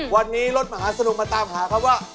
วันนี้รถมหาสนุกมาตามหาครับว่า